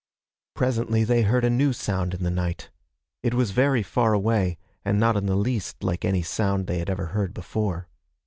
Presently they heard a new sound in the night. It was very far away and not in the least like any sound they had ever heard before.